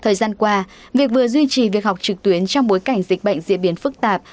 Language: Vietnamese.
thời gian qua việc vừa duy trì việc học trực tuyến trong bối cảnh dịch bệnh diễn biến phức tạp